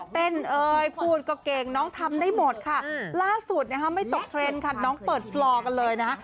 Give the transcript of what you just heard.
เอ้ยพูดก็เก่งน้องทำได้หมดค่ะล่าสุดไม่ตกเทรนด์ค่ะน้องเปิดฟลอกันเลยนะฮะ